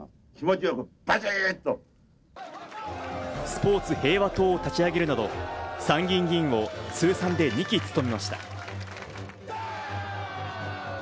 スポーツ平和党を立ち上げるなど参議院議員を通算で２期務めました。